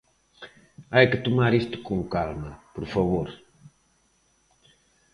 Hai que tomar isto con calma, por favor.